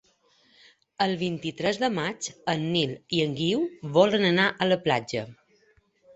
El vint-i-tres de maig en Nil i en Guiu volen anar a la platja.